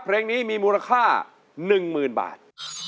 เพลงนี้มีมูลค่า๑๐๐๐บาท